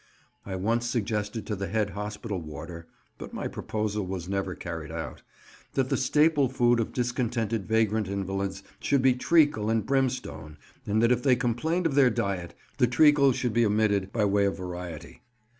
I once suggested to the head hospital warder (but my proposal was never carried out) that the staple food of discontented vagrant invalids should be treacle and brimstone, and that if they complained of their diet, the treacle should be omitted by way of variety.